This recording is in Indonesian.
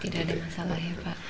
tidak ada masalah ya pak